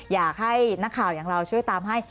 อยากให้นักข่าวอย่างเราช่วยตามให้